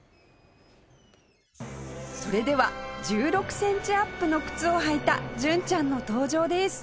それでは１６センチアップの靴を履いた純ちゃんの登場です！